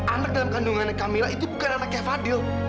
anak dalam kandungannya kamila itu bukan anaknya fadil